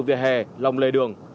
về hè lòng lề đường